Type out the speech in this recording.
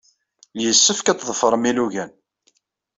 Yessefk ad tḍefrem ilugan.